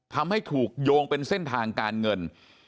ทำให้ถูกโยงเป็นเส้นทางการเงิน